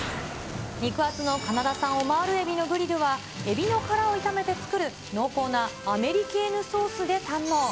肉厚のカナダ産オマールエビのグリルはエビの殻を炒めて作る、濃厚なアメリケーヌソースで堪能。